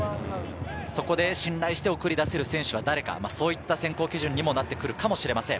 そこで信頼して送り出せる選手は誰か、そういった選考基準になってくるかもしれません。